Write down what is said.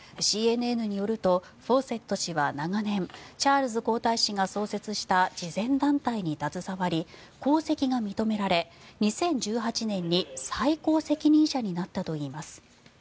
ＣＮＮによるとフォーセット氏は長年チャールズ皇太子が創設した慈善団体に携わり功績が認められ２０１８年に最高責任者になったといいます。